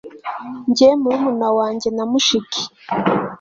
njye murumuna wanjye na mushiki